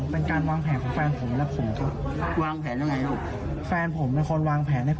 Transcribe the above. มาทำอะไร